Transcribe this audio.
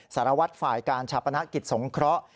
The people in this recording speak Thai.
สรรวจฝ่ายการชาประนะกิจสงครข์